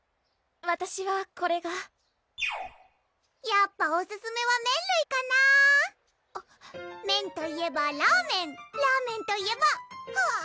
わたしはこれがやっぱオススメは麺類かな麺といえばラーメンラーメンといえばはぅあ！